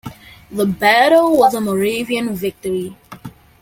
The battle was a Moravian victory.